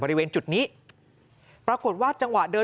ล็อก๑๐ทับ๑๖